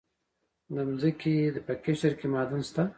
د ځمکې په قشر کې معادن شته.